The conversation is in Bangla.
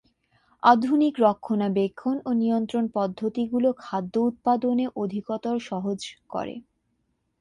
আধুনিক রক্ষণাবেক্ষণ ও নিয়ন্ত্রণ পদ্ধতিগুলো খাদ্য উৎপাদনকে অধিকতর সহজ করে।